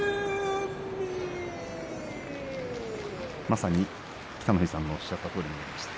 まさに北の富士さんのおっしゃったとおりでした。